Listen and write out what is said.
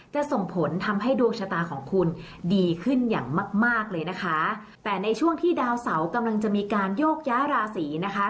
จะส่งผลทำให้ดวงชะตาของคุณดีขึ้นอย่างมากมากเลยนะคะแต่ในช่วงที่ดาวเสากำลังจะมีการโยกย้ายราศีนะคะ